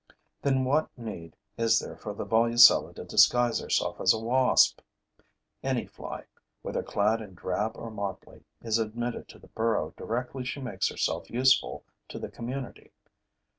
Then what need is there for the Volucella to disguise herself as a wasp? Any fly, whether clad in drab or motley, is admitted to the burrow directly she makes herself useful to the community.